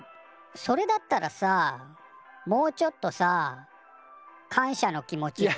それだったらさもうちょっとさ感謝の気持ちっつうか。